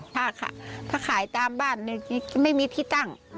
ถ้าขายตามบ้านไม่มีที่ตั้ง